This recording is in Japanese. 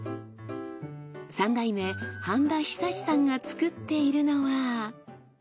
３代目半田久さんが作っているのは。